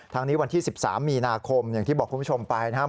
นี้วันที่๑๓มีนาคมอย่างที่บอกคุณผู้ชมไปนะครับ